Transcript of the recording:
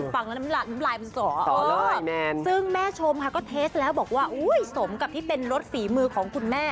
ฟังแล้วน้ำลายมันสอซึ่งแม่ชมค่ะก็เทสแล้วบอกว่าสมกับที่เป็นรถฝีมือของคุณแม่